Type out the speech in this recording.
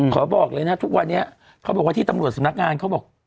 บอกเลยนะทุกวันนี้เขาบอกว่าที่ตำรวจสำนักงานเขาบอก